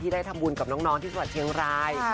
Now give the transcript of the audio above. ที่ได้ทำวุญกับน้องที่สวรรค์เชียงราย